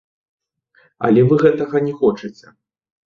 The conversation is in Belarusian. Але вы гэтага не хочаце.